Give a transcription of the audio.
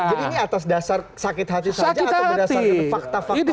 jadi ini atas dasar sakit hati saja atau berdasarkan fakta fakta objektif